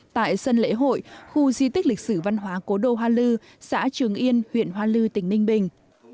tại sân lễ hội khu di tích lịch sử văn hóa cố đô hoa lư xã trường yên huyện hoa lư tỉnh ninh bình